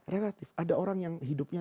relatif ada orang yang hidupnya